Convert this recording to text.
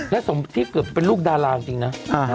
และสมที่เกือบเป็นลูกดาราจริงนะ